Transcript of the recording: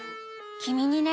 きみにね